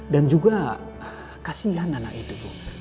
dan juga kasihan anak itu bu